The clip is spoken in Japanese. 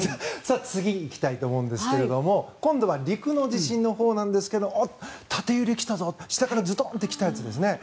次、行きたいと思うんですが今度は陸の地震のほうなんですが縦揺れが来たぞ下からズドンと来たやつですね。